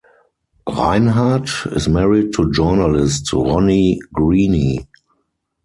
Reinhard is married to journalist Ronnie Greene.